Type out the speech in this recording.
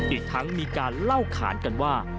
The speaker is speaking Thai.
อีกทั้งมีการเล่าขานกันว่า